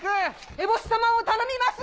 エボシ様を頼みます